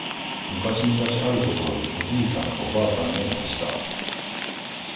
むかしむかしあるところにおじいさんとおばあさんがいました。